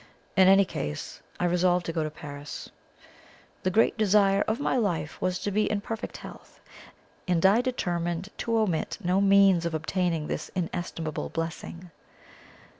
In any case, I resolved to go to Paris. The great desire of my life was to be in perfect health, and I determined to omit no means of obtaining this inestimable blessing.